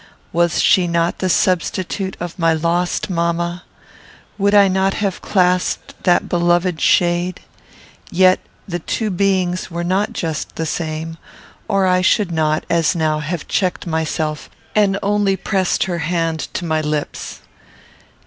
Was she not the substitute of my lost mamma? Would I not have clasped that beloved shade? Yet the two beings were not just the same, or I should not, as now, have checked myself, and only pressed her hand to my lips.